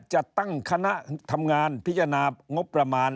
จะตั้งคณะทำงานพิจารณางบประมาณ